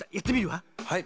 はい。